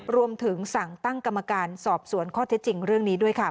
รวมถึงสั่งตั้งกรรมการสอบสวนข้อเท็จจริงเรื่องนี้ด้วยค่ะ